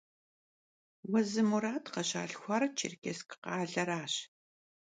Vuezı Murat khışalhxuar Çêrkêssk khaleraş.